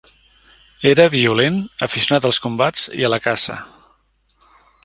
Era violent, aficionat als combats i a la caça.